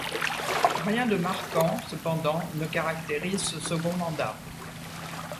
Rien de marquant, cependant, ne caractérise ce second mandat.